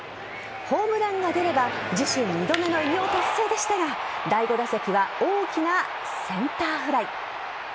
ホームランが出れば自身２度目の偉業達成でしたが第５打席は大きなセンターフライ。